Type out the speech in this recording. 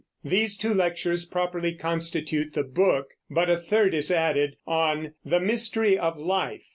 These two lectures properly constitute the book, but a third is added, on "The Mystery of Life."